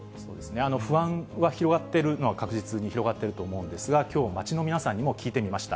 不安は広がっているのは確実に広がってると思うんですが、きょう、街の皆さんにも聞いてみました。